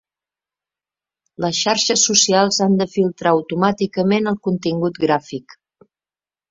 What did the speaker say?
Les xarxes socials han de filtrar automàticament el contingut gràfic.